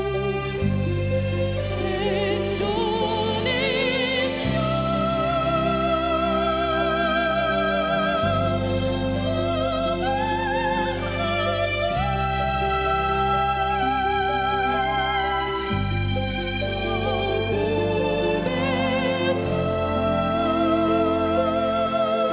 menaim meng clarif karim